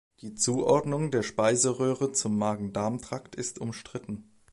Die Zuordnung der Speiseröhre zum Magen-Darm-Trakt ist umstritten.